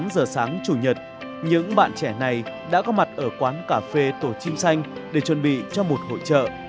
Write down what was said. tám giờ sáng chủ nhật những bạn trẻ này đã có mặt ở quán cà phê tổ chim xanh để chuẩn bị cho một hội trợ